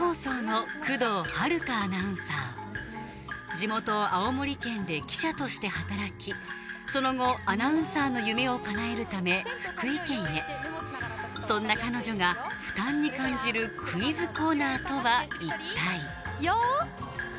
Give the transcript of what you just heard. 地元・青森県で記者として働きその後アナウンサーの夢をかなえるため福井県へそんな彼女が負担に感じるクイズコーナーとは一体？